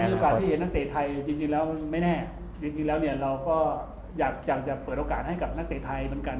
โอกาสที่เห็นนักเตะไทยจริงแล้วไม่แน่จริงแล้วเนี่ยเราก็อยากจะเปิดโอกาสให้กับนักเตะไทยเหมือนกัน